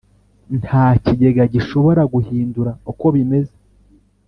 Nta kigega gishobora guhindura uko bimeze